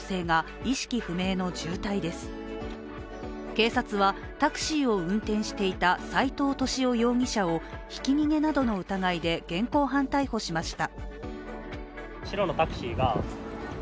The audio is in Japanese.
警察はタクシーを運転していた斎藤敏夫容疑者をひき逃げなどの疑いで現行犯逮捕しました。